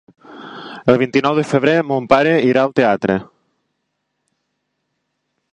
El vint-i-nou de febrer mon pare irà al teatre.